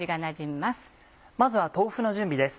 まずは豆腐の準備です